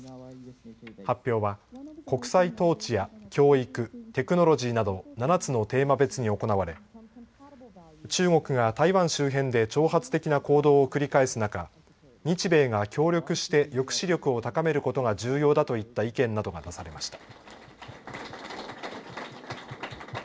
発表は国際統治や教育、テクノロジーなど７つのテーマ別に行われ中国が台湾周辺で挑発的な行動を繰り返す中、日米が協力して抑止力を高めることが重要だといった意見などが出されました。